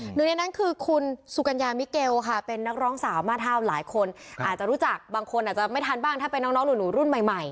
หนึ่งในนั้นคือคุณสุกัญญามิเกลค่ะเป็นนักร้องสาวมาเท่าหลายคนอาจจะรู้จักบางคนอาจจะไม่ทันบ้างถ้าเป็นน้องหนูรุ่นใหม่ใหม่